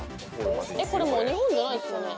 ・これもう日本じゃないですよね。